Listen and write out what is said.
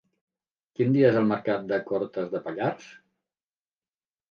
Quin dia és el mercat de Cortes de Pallars?